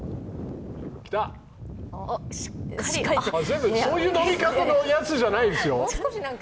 あっ、そういう飲み方のやつじゃないんですよ？